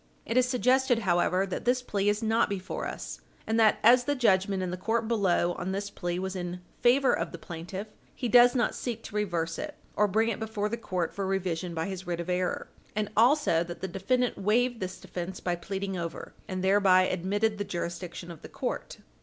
It is suggested, however, that this plea is not before us, and that, as the judgment in the court below on this plea was in favor of the plaintiff, he does not seek to reverse it, or bring it before the court for revision by his writ of error, and also that the defendant waived this defence by pleading over, and thereby admitted the jurisdiction of the court.